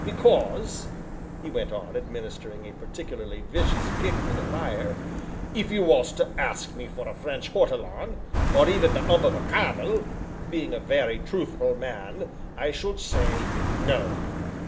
"Because," he went on, administering a particularly vicious kick to the fire, "if you was to ask me for a French hortolon or even the 'ump of a cam el being a very truthful man, I should say no."